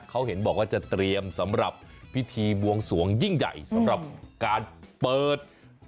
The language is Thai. เขาเห็นบอกว่าจะเตรียมสำหรับพิธีบวงสวงยิ่งใหญ่สำหรับการเปิด